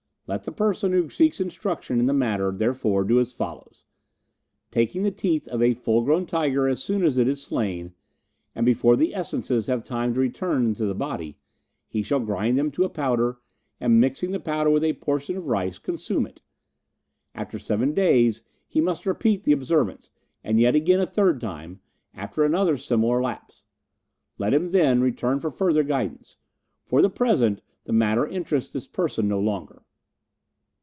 Let the person who seeks instruction in the matter, therefore, do as follows: taking the teeth of a full grown tiger as soon as it is slain, and before the essences have time to return into the body, he shall grind them to a powder, and mixing the powder with a portion of rice, consume it. After seven days he must repeat the observance, and yet again a third time, after another similar lapse. Let him, then, return for further guidance; for the present the matter interests this person no further."